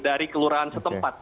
dari kelurahan setempat